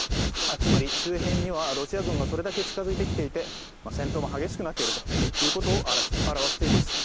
つまり、周辺にはロシア軍がそれだけ近づいてきていて戦闘も激しくなっているということを表しています。